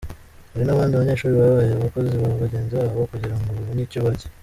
Hari n’abandi banyeshuri babaye abakozi ba bagenzi babo kugira ngo babone icyo barya.